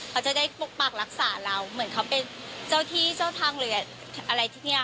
เขาจะได้ปกปักรักษาเราเหมือนเขาเป็นเจ้าที่เจ้าทางหรืออะไรที่เนี่ย